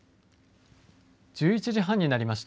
１１時半になりました。